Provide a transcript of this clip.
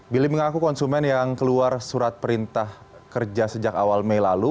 billy mengaku konsumen yang keluar surat perintah kerja sejak awal mei lalu